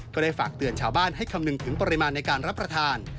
ก็ได้ฝากเตือนชาวบ้านให้คำนึงถึงปริมาณในการรับประทาน